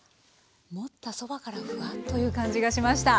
持ったそばからふわっという感じがしました。